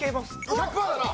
１００パーだな？